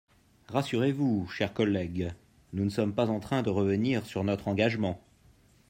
Rassurez-vous, chers collègues, nous ne sommes pas en train de revenir sur notre engagement.